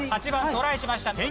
８番トライしました。